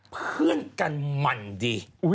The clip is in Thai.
เพื่อนกันมันดี